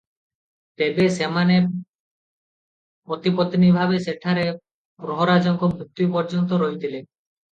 ତେବେ ସେମାନେ ପତି-ପତ୍ନୀ ଭାବେ ସେଠାରେ ପ୍ରହରାଜଙ୍କ ମୃତ୍ୟୁ ପର୍ଯ୍ୟନ୍ତ ରହିଥିଲେ ।